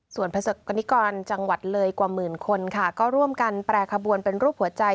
ส่วนประสบกรณิกรจังหวัดเลยกว่าหมื่นคนค่ะก็ร่วมกันแปรขบวนเป็นรูปหัวใจ